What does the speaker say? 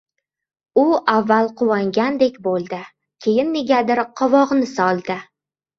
U avval quvongandek bo‘ldi, keyin, negadir qovog‘ni soldi.